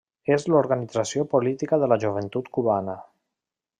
És l'organització política de la joventut cubana.